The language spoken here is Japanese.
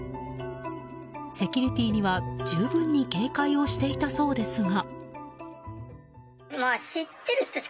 セキュリティーには十分に警戒をしていたそうですが。